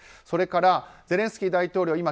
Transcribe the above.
それから、ゼレンスキー大統領